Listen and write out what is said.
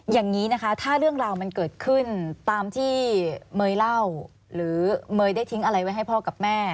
อย่างนี้นะคะถ้าเรื่องราวมันเกิดขึ้นตามที่เมย์เล่าหรือเมย์ได้ทิ้งอะไรไว้ให้พ่อกับแม่